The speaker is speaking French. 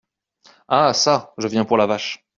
Ah çà ! je viens pour la vache…